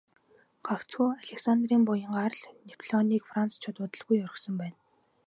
Гагцхүү Александрын буянаар л Неаполийг францчууд удалгүй орхисон байна.